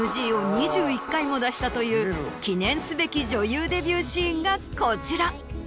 も出したという記念すべき女優デビューシーンがこちら。